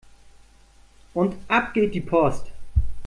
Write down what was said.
Und ab geht die Post!